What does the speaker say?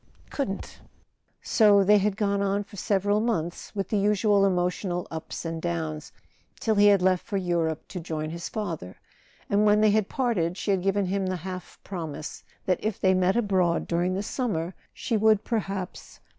.. couldn't. .. So they had gone on for several months, with the usual emotional ups and downs, till he had left for Europe to join his father; and when they had [ 339 ] A SON AT THE FRONT parted she had given him the half promise that if they met abroad during the summer she would perhaps